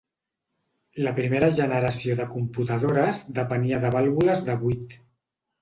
La primera generació de computadores depenia de vàlvules de buit.